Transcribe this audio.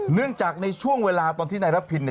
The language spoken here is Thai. เนื่องจากในช่วงเวลาตอนที่นายระพินเนี่ย